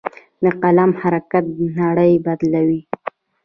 د قلم حرکت نړۍ بدلوي.